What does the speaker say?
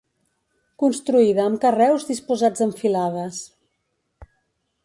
Construïda amb carreus disposats en filades.